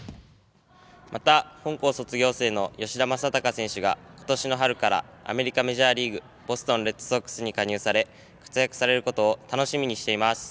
また、本校卒業生の吉田正尚選手が今年の春からアメリカ・メジャーリーグボストン・レッドソックスに加入され活躍されることを楽しみにしています。